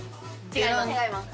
違います。